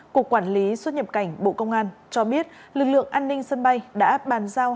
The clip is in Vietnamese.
cục quản lý xuất nhập cảnh bộ công an cho biết lực lượng an ninh sân bay đã bàn giao